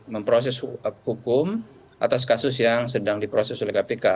memproses hukum atas kasus yang sedang diproses oleh kpk